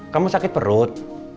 kamu sakit perut